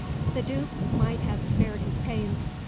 The Duke might have spared his pains.